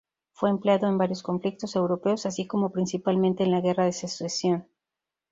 Fue empleado en varios conflictos europeos, así como principalmente en la Guerra de Secesión.